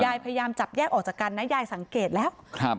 พยายามจับแยกออกจากกันนะยายสังเกตแล้วครับ